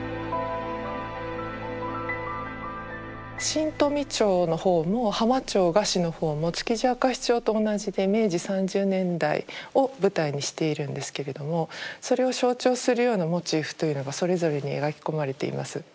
「新富町」の方も「浜町河岸」の方も「築地明石町」と同じで明治３０年代を舞台にしているんですけれどもそれを象徴するようなモチーフというのがそれぞれに描き込まれています。